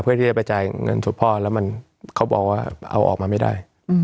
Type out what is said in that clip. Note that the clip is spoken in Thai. เพื่อที่จะไปจ่ายเงินทุกพ่อแล้วมันเขาบอกว่าเอาออกมาไม่ได้